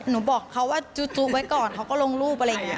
หนูบอกเขาว่าจู๊ไว้ก่อนเขาก็ลงรูปอะไรอย่างนี้